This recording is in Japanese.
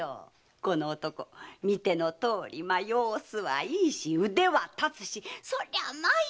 この男見てのとおり様子はいいし腕は立つしそりゃいい奴なんです！